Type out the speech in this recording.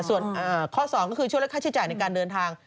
ส่วนข้อ๒ก็คือช่วยลดค่าใช้จ่ายในการเดินทาง